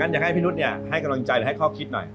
อยากให้พี่นุษย์ให้กำลังใจหรือให้ข้อคิดหน่อย